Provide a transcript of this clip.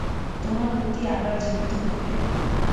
তোমার পতি আবার জীবিত হইবে।